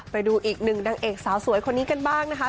ไปดูอีกหนึ่งนางเอกสาวสวยคนนี้กันบ้างนะคะ